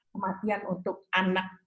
kematian untuk anak